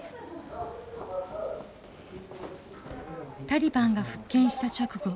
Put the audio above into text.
タリバンが復権した直後